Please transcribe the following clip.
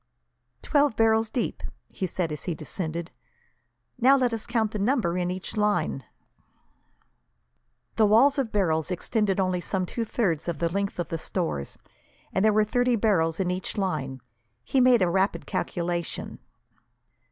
"Twelve barrels deep," he said, as he descended. "Now, let us count the number in each line." The wall of barrels extended only some two thirds of the length of the stores, and there were thirty barrels in each line. He made a rapid calculation.